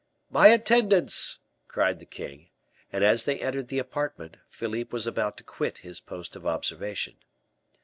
"My attendants!" cried the king; and, as they entered the apartment, Philippe was about to quit his post of observation.